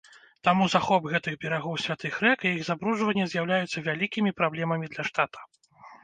Таму захоп гэтых берагоў святых рэк і іх забруджванне з'яўляюцца вялікімі праблемамі для штата.